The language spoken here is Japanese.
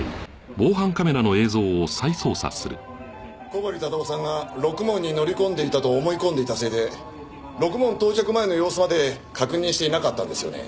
小堀忠夫さんがろくもんに乗り込んでいたと思い込んでいたせいでろくもん到着前の様子まで確認していなかったんですよね？